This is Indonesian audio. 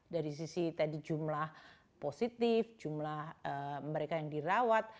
dari sisi tadi jumlah positif jumlah mereka yang dirawat